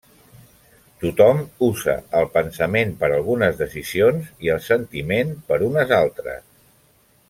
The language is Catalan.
Tothom usa el Pensament per algunes decisions i el Sentiment per unes altres.